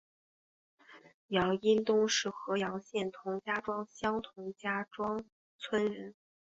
杨荫东是合阳县同家庄乡同家庄村人。